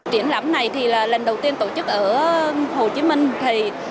triển lãm này thì là lần đầu tiên tổ chức ở hồ chí minh